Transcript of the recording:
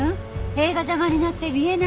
塀が邪魔になって見えない。